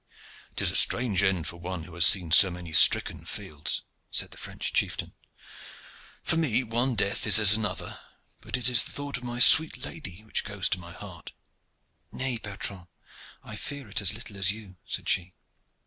"'Tis a strange end for one who has seen so many stricken fields," said the French chieftain. "For me one death is as another, but it is the thought of my sweet lady which goes to my heart." "Nay, Bertrand, I fear it as little as you," said she.